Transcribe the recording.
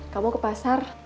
kamu ke pasar